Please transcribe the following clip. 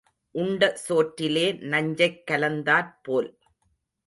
உண்ட சோற்றிலே நஞ்சைக் கலந்தாற்போல்.